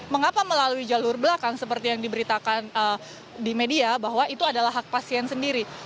mengapa melalui jalur belakang seperti yang diberitakan di media bahwa itu adalah hak pasien sendiri